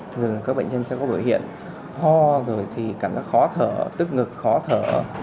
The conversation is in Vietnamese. thường các bệnh nhân sẽ có bởi hiện ho cảm giác khó thở tức ngực khó thở